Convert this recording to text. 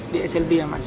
di slb ya mas